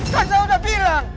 kan saya udah bilang